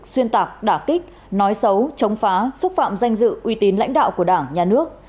xuyên tạc đả kích nói xấu chống phá xúc phạm danh dự uy tín lãnh đạo của đảng nhà nước